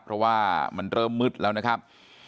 เพราะว่ามันเริ่มมืดแล้วนะครับ